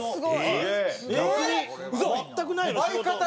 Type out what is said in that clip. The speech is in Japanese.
全くないの？